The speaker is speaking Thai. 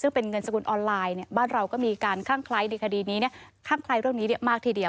ซึ่งเป็นเงินสกุลออนไลน์เนี่ยบ้านเราก็มีการคลั่งคล้ายในคดีนี้เนี่ยคลั่งคล้ายเรื่องนี้เนี่ยมากทีเดียว